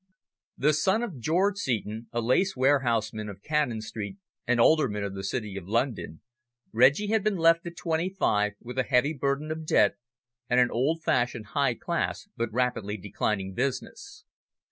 The son of George Seton, a lace warehouseman of Cannon Street and Alderman of the City of London, Reggie had been left at twenty five with a heavy burden of debt and an old fashioned, high class but rapidly declining business.